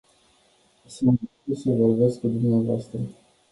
Sunt dispus să vorbesc cu dvs.